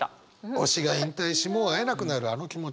推しが引退しもう会えなくなるあの気持ち。